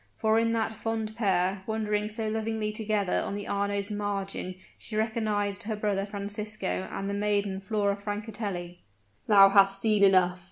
For in that fond pair, wandering so lovingly together on the Arno's margin she recognized her brother Francisco and the maiden Flora Francatelli! "Thou hast seen enough!"